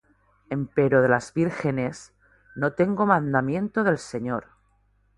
Empero de las vírgenes no tengo mandamiento del Señor;